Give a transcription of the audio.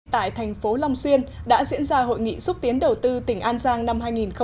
tại thành phố long xuyên đã diễn ra hội nghị xúc tiến đầu tư tỉnh an giang năm hai nghìn một mươi chín